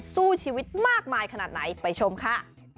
สู้ชีวิตมากมายขนาดไหนไปชมค่ะ